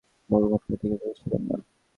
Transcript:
ভগবান কার্তিক সেখানে ছিলেন না।